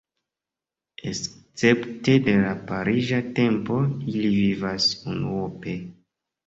Escepte de la pariĝa tempo, ili vivas unuope.